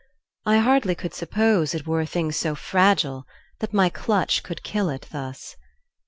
I hardly could suppose It were a thing so fragile that my clutch Could kill it, thus.